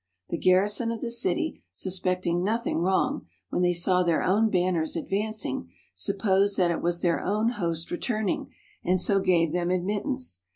The garrison of the city, suspecting nothing wrong, when they saw their own banners advancing, supposed that it was their own host returning, and so gave them admittance.